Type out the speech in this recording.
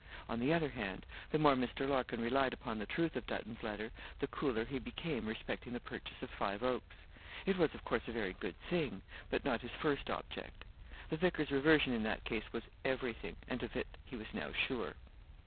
On the other hand, the more Mr. Larkin relied upon the truth of Dutton's letter, the cooler he became respecting the purchase of Five Oaks. It was, of course, a very good thing; but not his first object. The vicar's reversion in that case was everything; and of it he was now sure.